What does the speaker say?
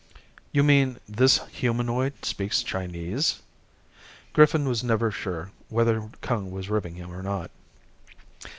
"You mean this humanoid speaks Chinese?" Griffin was never sure whether Kung was ribbing him or not.